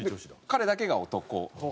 彼だけが男。